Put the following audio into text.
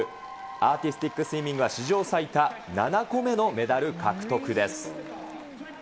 アーティスティックスイミングは史上最多７個目のメダル獲得です。